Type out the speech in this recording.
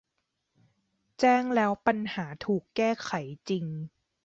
แจ้งแล้วปัญหาถูกแก้ไขจริง